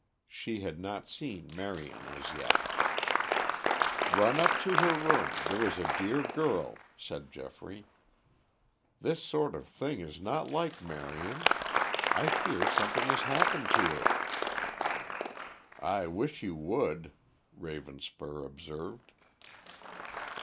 She had not seen Marion as yet. "Run up to her room, there is a dear girl," said Geoffrey. "This sort of thing is not like Marion; I fear something has happened to her." "I wish you would," Ravenspur observed.